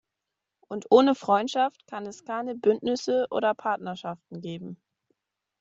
Und ohne Freundschaft kann es keine Bündnisse oder Partnerschaften geben.